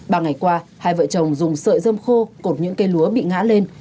ba ngày qua hai vợ chồng dùng sợi dơm khô cột những cây lúa bị ngã lên